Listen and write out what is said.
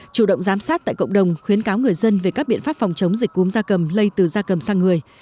chủ động giám sát tại cộng đồng khuyến cáo người dân về các biện pháp phòng chống dịch cúm da cầm lây từ da cầm sang người